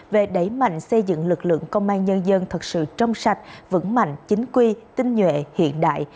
về đẩy mạnh xây dựng lực lượng công an nhân dân thật sự trong sạch vững mạnh chính quy tinh nhuệ hiện đại